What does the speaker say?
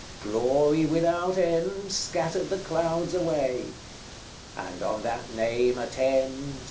Glory without end Scattered the clouds away and on that name attend XXXVII.